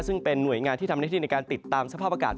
ซึ่งเป็นหน่วยงานที่ทำหน้าที่ในการติดตามสภาพอากาศ